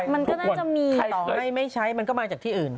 มันก็น่าจะมีต่อให้ไม่ใช้มันก็มาจากที่อื่น